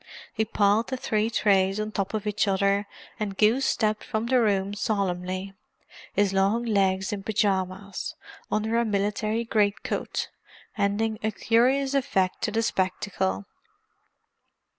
He piled the three trays on top of each other and goose stepped from the room solemnly—his long legs in pyjamas, under a military great coat, ending a curious effect to the spectacle.